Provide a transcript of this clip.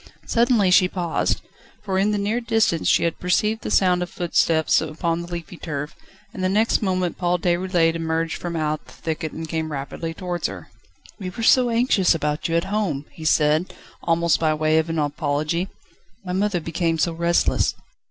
Suddenly she paused, for in the near distance she had perceived the sound of footsteps upon the leafy turf, and the next moment Paul Déroulède emerged from out the thicket and came rapidly towards her. "We were so anxious about you at home!" he said, almost by way of an apology. "My mother became so restless